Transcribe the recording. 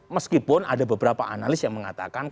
meskipun ada beberapa analis yang mengatakan